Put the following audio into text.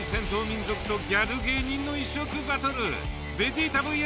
民族とギャル芸人の異色バトル。